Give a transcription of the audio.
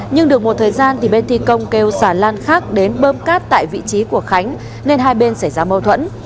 nhưng được một thời gian thì bên thi công kêu xà lan khác đến bơm cát tại vị trí của khánh nên hai bên xảy ra mâu thuẫn